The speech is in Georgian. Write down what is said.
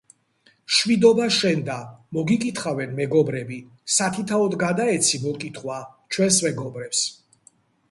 მშვიდობა შენდა. მოგიკითხავენ მეგობრები. სათითაოდ გადაეცი მოკითხვა ჩვენს მეგობრებს.